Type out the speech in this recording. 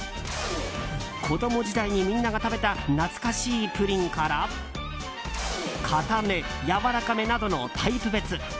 子供時代にみんなが食べた懐かしいプリンからかため、やわらかめなどのタイプ別。